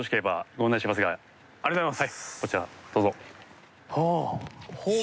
はいこちらどうぞ。